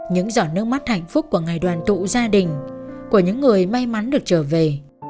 những giọt nước mắt hạnh phúc của ngày đoàn tụ gia đình của những người may mắn được trở về